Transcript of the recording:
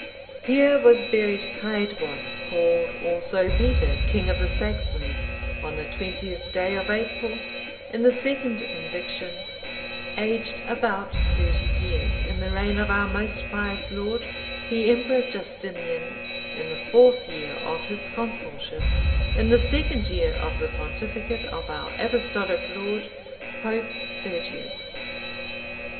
"Here was buried Caedwalla, called also Peter, king of the Saxons, on the twentieth day of April, in the second indiction, aged about thirty years, in the reign of our most pious lord, the Emperor Justinian,(800) in the fourth year of his consulship, in the second year of the pontificate of our Apostolic lord, Pope Sergius."